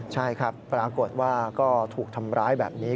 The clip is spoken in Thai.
ใช่ครับปรากฏว่าก็ถูกทำร้ายแบบนี้